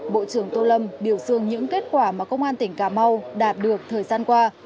bộ trưởng tô lâm biểu dương những kết quả mà công an tỉnh cà mau đạt được thời gian qua